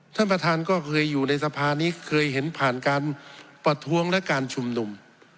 ท่านประธานก็เคยอยู่ในสภานี้เคยเห็นผ่านการประท้วงและการชุมนุม